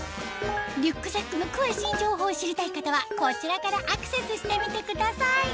リュックサックの詳しい情報を知りたい方はこちらからアクセスしてみてください